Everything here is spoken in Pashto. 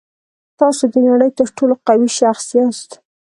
تاسو د نړۍ تر ټولو قوي شخص یاست.